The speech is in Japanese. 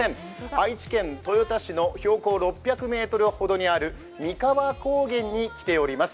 愛知県豊田市の標高６００ｍほどにある三河高原に来ています。